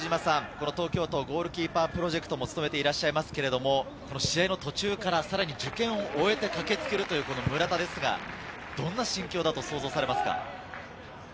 解説の石島さん、東京都ゴールキーパープロジェクトも務めていらっしゃいますけれど、試合の途中からさらに受験を終えて駆けつけるという村田ですが、どんな心境だと想像されますか？